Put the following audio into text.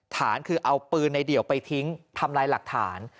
ฐานคือเอาปืนในเดี่ยวไปทิ้งทำลายหลักฐาน